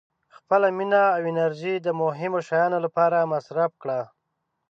• خپله مینه او انرژي د مهمو شیانو لپاره مصرف کړه.